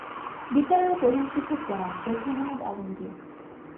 বিদ্যালয়ের প্রধান শিক্ষক জনাব শেখ মোহাম্মদ আলমগীর।